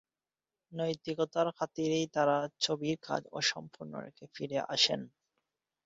নৈতিকতার খাতিরে তাঁরা ছবির কাজ অসম্পূর্ণ রেখেই ফিরে আসেন।